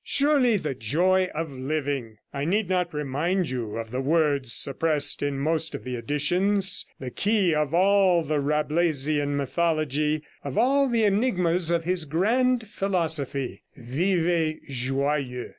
Surely the joy of living. I need not remind you of the words, suppressed in most of the editions, the key of all the Rabelaisian mythology, of all the enigmas of his grand philosophy, Vivez Joyeux.